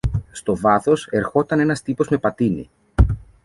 Στο βάθος ερχόταν ένας τύπος με πατίνι